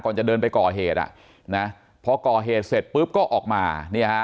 จะเดินไปก่อเหตุอ่ะนะพอก่อเหตุเสร็จปุ๊บก็ออกมาเนี่ยฮะ